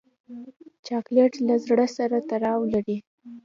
چاکلېټ له زړه سره تړاو لري.